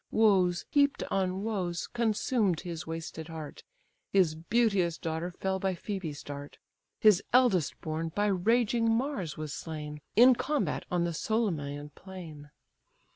Woes heap'd on woes consumed his wasted heart: His beauteous daughter fell by Phoebe's dart; His eldest born by raging Mars was slain, In combat on the Solymaean plain.